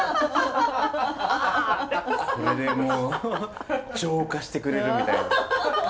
これでもう浄化してくれるみたいな！